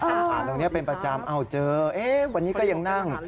อาหารตรงนี้เป็นประจำเจอวันนี้ก็ยังนั่ง